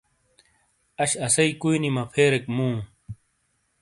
اش اَسئی کُوئی نی مَپھیریک مُوؤں۔